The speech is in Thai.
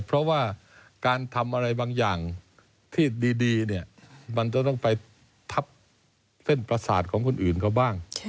เพราะว่าการทำอะไรบางอย่างที่ดีเนี่ยมันจะต้องไปทับเส้นประสาทของคนอื่นเขาบ้าง